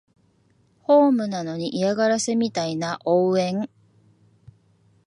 ホームなのに嫌がらせみたいな応援